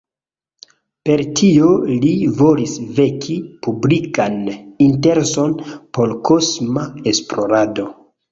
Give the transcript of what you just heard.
Per tio li volis veki publikan intereson por kosma esplorado.